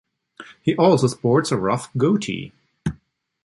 He also sports a rough goatee.